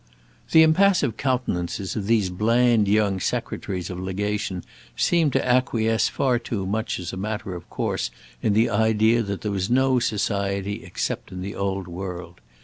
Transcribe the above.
The impassive countenances of these bland young Secretaries of Legation seemed to acquiesce far too much as a matter of course in the idea that there was no society except in the old world.